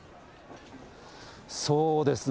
そうですね。